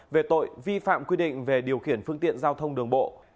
về tội vi phạm quy định về điều khiển phương tiện giao thông đường bộ